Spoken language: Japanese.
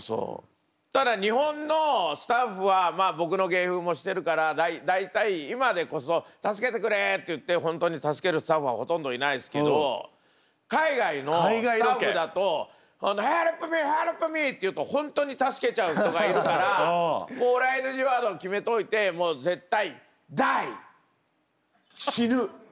ただ日本のスタッフは僕の芸風も知ってるから大体今でこそ「助けてくれ！」って言って本当に助けるスタッフはほとんどいないんすけど海外のスタッフだと「ヘルプミー！ヘルプミー！」って言うと本当に助けちゃう人がいるから俺はＮＧワードを決めといてもう絶対「Ｄｉｅ！」「死ぬ！」